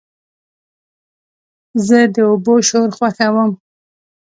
زه د اوبو شور خوښوم.